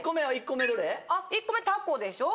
１個目タコでしょ。